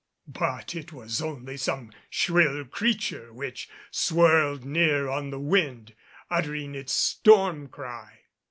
But it was only some shrill creature which swirled near on the wind, uttering its storm cry.